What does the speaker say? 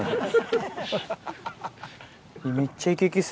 めっちゃ。